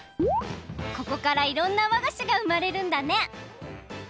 ここからいろんなわがしがうまれるんだね！